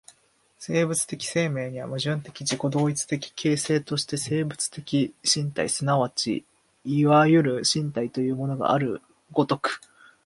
生物的生命には、矛盾的自己同一的形成として生物的身体即ちいわゆる身体というものがある如く、